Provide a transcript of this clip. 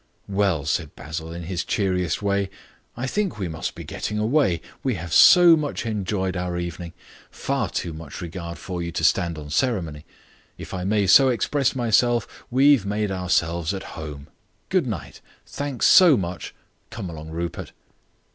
"Well," said Basil, in his cheeriest way, "I think we must be getting away. We've so much enjoyed our evening. Far too much regard for you to stand on ceremony. If I may so express myself, we've made ourselves at home. Good night. Thanks so much. Come along, Rupert."